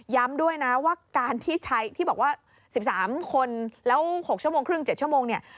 ด้วยนะว่าการที่ใช้ที่บอกว่า๑๓คนแล้ว๖ชั่วโมงครึ่ง๗ชั่วโมงเนี่ย